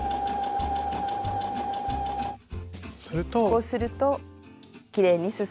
こうするときれいにすそが縫えます。